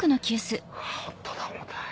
ホントだ重たい。